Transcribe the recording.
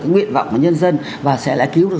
nguyện vọng của nhân dân và sẽ cứu được